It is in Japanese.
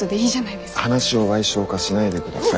話を矮小化しないでください